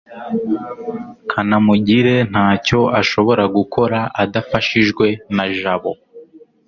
kanamugire ntacyo ashobora gukora adafashijwe na jabo